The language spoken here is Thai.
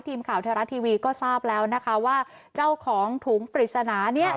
ทีมข่าวไทยรัฐทีวีก็ทราบแล้วนะคะว่าเจ้าของถุงปริศนาเนี่ย